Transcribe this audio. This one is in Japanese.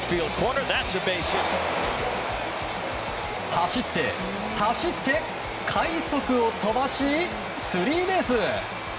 走って、走って快足を飛ばし、スリーベース。